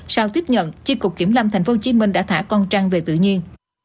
sau tiếp nhận chi cục kiểm lâm tp hcm đã thả con trăng về tự nhiên